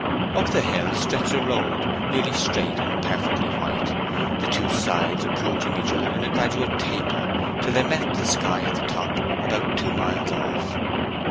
Up the hill stretched a road nearly straight and perfectly white, the two sides approaching each other in a gradual taper till they met the sky at the top about two miles off.